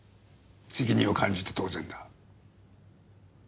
責任を感じて当然だ。